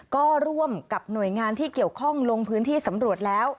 ก็ร่วมกับหน่วยงานที่เกี่ยวข้องลงพื้นที่สำรวจแล้ว